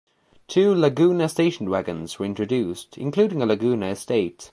Two Laguna station wagons were introduced, including a Laguna Estate.